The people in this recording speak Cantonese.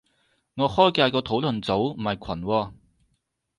我開嘅係個討論組，唔係群喎